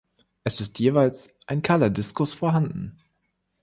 Es ist jeweils ein kahler Diskus vorhanden.